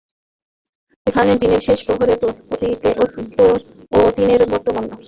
এইখানে দিনের শেষ প্রহরে অতীনের বর্তমান বাসস্থানে ছায়াচ্ছন্ন দালানে প্রবেশ করল কানাই গুপ্ত।